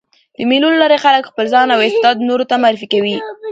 د مېلو له لاري خلک خپل ځان او استعداد نورو ته معرفي کوي.